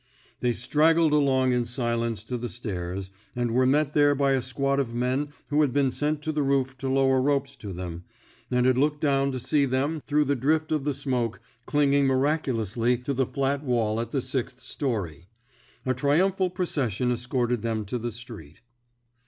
They straggled along in silence to the stairs, and were met there by a squad of men who had been sent to the roof to lower ropes to them, and had looked down to see them, through the drift of the smoke, clinging miraculously to the flat wall at the sixth story. A triumphal procession escorted them to the street.